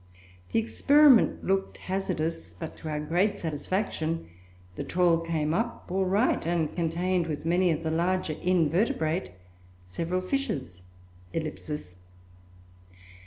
The experiment looked hazardous, but, to our great satisfaction, the trawl came up all right and contained, with many of the larger invertebrate, several fishes....